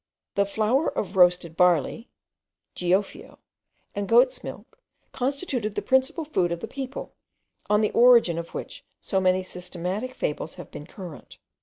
The flour of roasted barley (gofio) and goat's milk constituted the principal food of the people, on the origin of which so many systematic fables have been current.